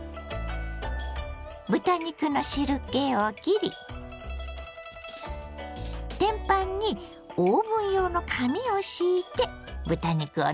豚肉の汁けをきり天パンにオーブン用の紙を敷いて豚肉をのせます。